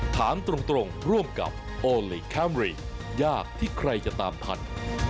ถามตรงร่วมกับโอลี่คัมรี่ยากที่ใครจะตามทัน